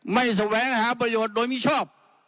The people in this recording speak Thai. แสวงหาประโยชน์โดยมิชอบ